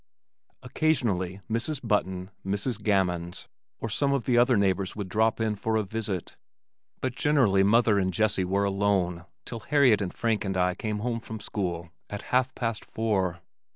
Occasionally Mrs. Button, Mrs. Gammons or some other of the neighbors would drop in for a visit, but generally mother and Jessie were alone till Harriet and Frank and I came home from school at half past four.